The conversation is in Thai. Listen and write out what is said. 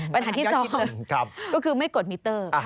ปัญหาที่๒ก็คือไม่กดมิเตอร์